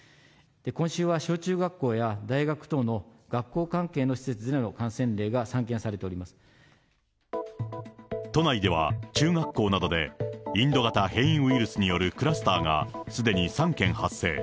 今週は小中学校や大学等の学校関係の施設での感染例が散見されて都内では、中学校などでインド型変異ウイルスによるクラスターがすでに３件発生。